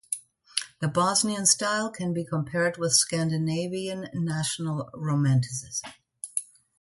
The Bosnian style can be compared with Scandinavian National Romanticism.